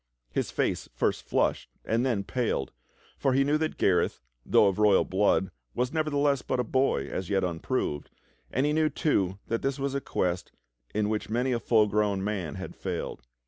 His face first flushed and then paled, for he knew that Gareth, though of royal blood, was nevertheless but a boy as yet unproved, and he knew, too, that this was a quest in which many a full grown man had failed.